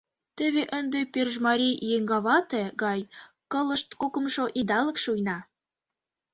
Теве ынде пӧржмарий-еҥгавате гай кылышт кокымшо идалык шуйна.